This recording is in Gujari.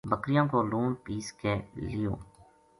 بکریاں کو لون پِیس کے لیو